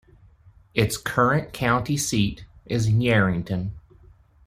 Its current county seat is Yerington.